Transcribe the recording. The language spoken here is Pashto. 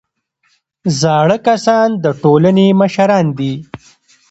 زاړه کسان د ټولنې مشران دي